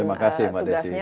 terima kasih mbak desy